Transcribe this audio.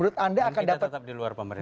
dan kita tetap di luar pemerintahan